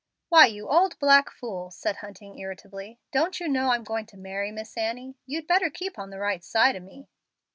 "Why, you old black fool," said Hunting, irritably, "don't you know I'm going to marry Miss Annie? You'd better keep on the right side of me."